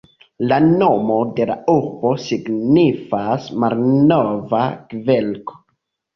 La nomo de la urbo signifas "malnova kverko".